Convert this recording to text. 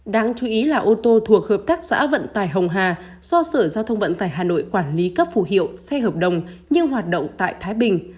đáng chú ý là ô tô thuộc hợp tác xã vận tài hồng hà do sở giao thông vận tải hà nội quản lý cấp phù hiệu xe hợp đồng nhưng hoạt động tại thái bình